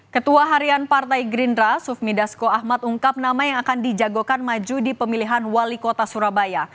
ketua harian partai gerindra sufmi dasko ahmad ungkap nama yang akan dijagokan maju di pemilihan wali kota surabaya